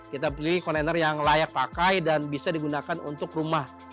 kita pilih kontainer yang layak pakai dan bisa digunakan untuk rumah